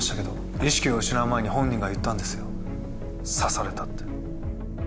意識を失う前に本人が言ったんですよ「刺された」って。